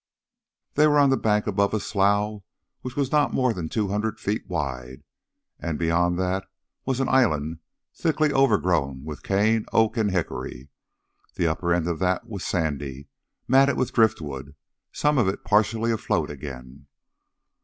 They were on a bank above a slough which was not more than two hundred feet wide. And beyond that was an island thickly overgrown with cane, oak, and hickory. The upper end of that was sandy, matted with driftwood, some of it partially afloat again.